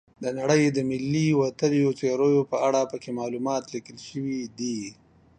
د نړۍ د ملي وتلیو څیرو په اړه پکې معلومات لیکل شوي دي.